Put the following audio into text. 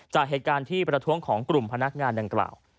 จากเหตุการณ์ที่ประท้วงของกลุ่มพนักงานดังกล่าว